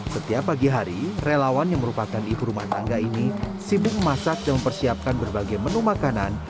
setiap pagi hari relawan yang merupakan ibu rumah tangga ini sibuk memasak dan mempersiapkan berbagai menu makanan